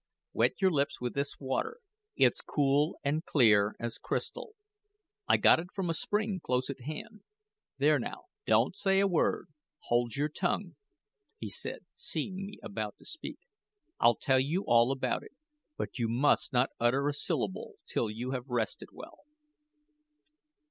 Wet your lips with this water; it's cool and clear as crystal. I got it from a spring close at hand. There, now, don't say a word hold your tongue," he said, seeing me about to speak. "I'll tell you all about it, but you must not utter a syllable till you have rested well."